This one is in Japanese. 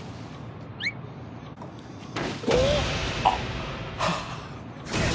あっ。